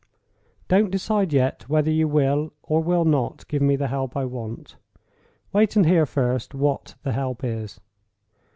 _ Don't decide yet whether you will, or will not, give me the help I want. Wait, and hear first what the help is.